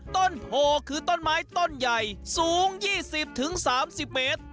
โผล่คือต้นไม้ต้นใหญ่สูง๒๐๓๐เมตร